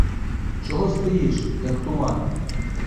Чого стоїш, як туман!